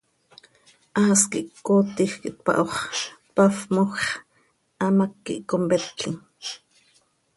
Haas quih cöcootij quih tpaho x, tpafmoj x, hamác quih competlim.